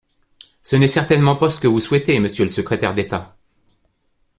Ce n’est certainement pas ce que vous souhaitez, monsieur le secrétaire d’État.